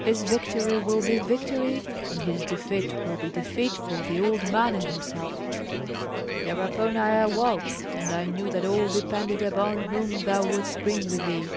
His victory will be victory, and his defeat will be defeat, for the old man and himself.' Thereupon I awoke; and I knew that all depended upon whom thou wouldst bring with thee.